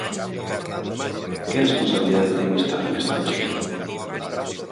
¿Que responsabilidade ten o Estado nesta cuestión?